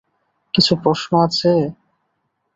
কিছু প্রশ্ন আছে?